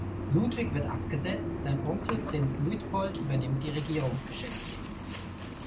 Ludwig wird abgesetzt, sein Onkel Prinz Luitpold übernimmt die Regierungsgeschäfte.